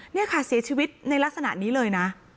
นี่ค่ะเสียชีวิตในลักษณะนี้เลยนะ